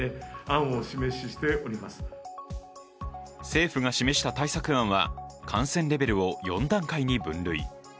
政府が示した対策案は感染レベルを４段階に分類。